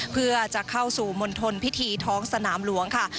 เพื่อจะเข้าสู่มณฑลพิธีท้องสนามหลวงค่ะ